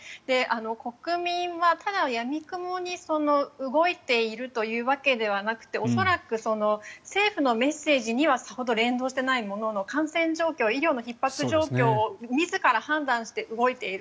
国民はただやみくもに動いているというわけではなくて恐らく、政府のメッセージにはさほど連動していないものの感染状況医療のひっ迫状況を自ら判断して動いている。